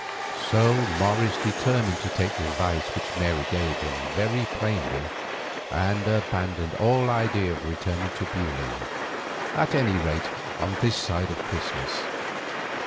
So Morris determined to take the advice which Mary gave him very plainly, and abandoned all idea of returning to Beaulieu, at any rate, on this side of Christmas.